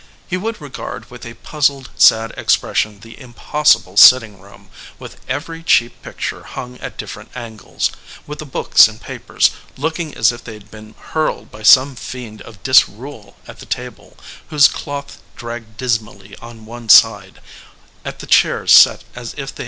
He would regard with a puz zled, sad expression the impossible sitting room, with every cheap picture hung at different angles, with the books and papers looking as if they had been hurled by some fiend of disrule at the table, whose cloth dragged dismally on one side, at the chairs set as if they